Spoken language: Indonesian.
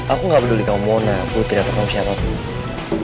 aku gak peduli kamu mona putri atau kamu siapa pun